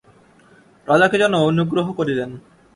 রাজাকে যেন অনুগ্রহ করিলেন।